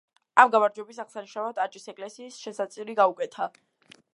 ამ გამარჯვების აღსანიშნავად აჭის ეკლესიას შესაწირი გაუკეთა.